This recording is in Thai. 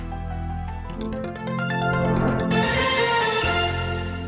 สวัสดีครับ